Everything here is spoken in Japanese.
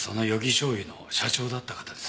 醤油の社長だった方です。